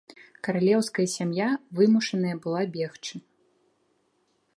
Каралеўская сям'я вымушаная была бегчы.